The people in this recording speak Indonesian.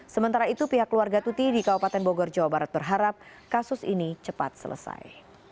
sementara itu pihak keluarga tuti di kabupaten bogor jawa barat berharap kasus ini cepat selesai